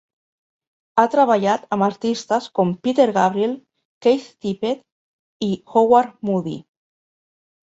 Ha treballat amb artistes com Peter Gabriel, Keith Tippett i Howard Moody.